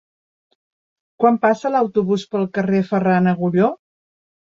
Quan passa l'autobús pel carrer Ferran Agulló?